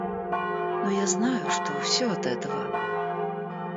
Но я знаю, что всё от этого...